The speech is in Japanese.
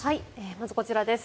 まずこちらです。